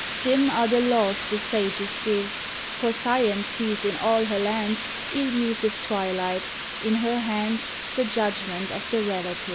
Dim are the laws the sages give, For Science sees in all her lands Illusive twilight, in her hands The judgments of the Relative.